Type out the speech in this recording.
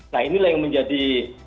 nah inilah yang menjadi